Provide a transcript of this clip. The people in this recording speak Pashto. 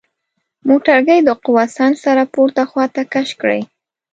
موټرګی د قوه سنج سره پورته خواته کش کړئ.